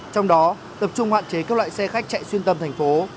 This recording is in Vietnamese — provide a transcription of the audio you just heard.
trong đó tập trung hoạn chế các loại xe khách chạy xuyên tầm thành phố